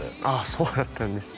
そうだったんですね